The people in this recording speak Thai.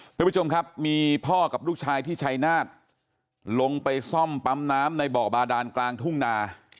ทุกผู้ชมครับมีพ่อกับลูกชายที่ชัยนาฏลงไปซ่อมปั๊มน้ำในบ่อบาดานกลางทุ่งนา